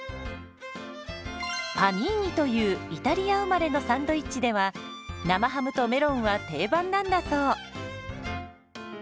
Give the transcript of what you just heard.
「パニーニ」というイタリア生まれのサンドイッチでは生ハムとメロンは定番なんだそう。